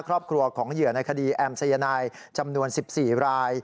ครอบครัวของเหยื่อในคดีแอมสัยนายจำนวน๑๔ราย